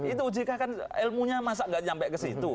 itu ojk kan ilmunya masa nggak nyampe kesitu